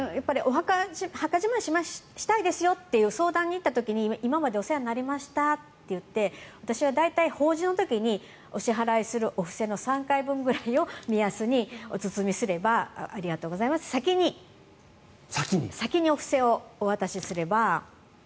墓じまいしたいですよという相談に行った時に今までお世話になりましたと言って私は大体、法事の時にお支払するお布施の３回分ぐらいをお包みすればありがとうございますって先にお布施をお渡しすれば。